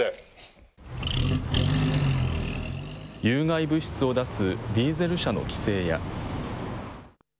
有害物質を出すディーゼル車の規制や。